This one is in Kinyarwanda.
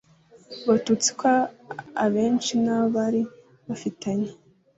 Abatutsi ko abenshi n abari bafitanye